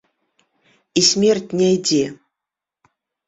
І смерць не ідзе!